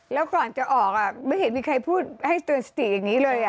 แล้วก่อนจะออกไม่เห็นมีใครพูดให้เตือนสติอย่างนี้เลย